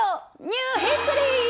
ニューヒストリー！